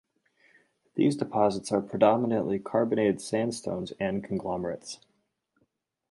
These deposits are predominantly carbonated sandstones and conglomerates.